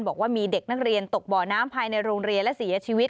บอกว่ามีเด็กนักเรียนตกบ่อน้ำภายในโรงเรียนและเสียชีวิต